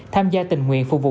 tham gia tình nguyện phục vụ